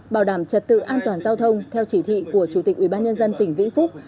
bảo đảm trật tự an toàn giao thông theo chỉ thị của chủ tịch ubnd tỉnh vĩnh phúc